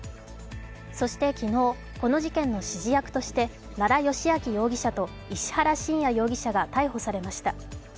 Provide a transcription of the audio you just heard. そして、昨日この事件の指示役として奈良幸晃容疑者と石原信也容疑者が逮捕されました。